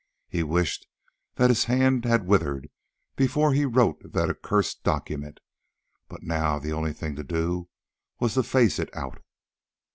He wished that his hand had withered before he wrote that accursed document. But now the only thing to do was to face it out.